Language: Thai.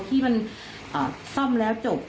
ที่มันซ่อมแล้วจบ